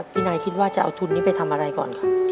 พี่นายคิดว่าจะเอาทุนนี้ไปทำอะไรก่อนครับ